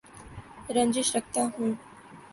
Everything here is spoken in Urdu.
رنجش رکھتا ہوں